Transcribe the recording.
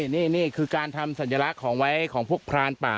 นี่คือการทำสัญลักษณ์ของไว้ของพวกพรานป่า